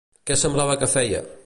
Què semblava que feia?